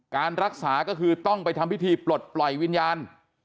การรักษาก็คือต้องไปทำพิธีปลดปล่อยวิญญาณ